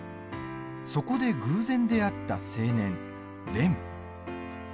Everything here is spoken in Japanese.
そこで偶然出会った青年、蓮。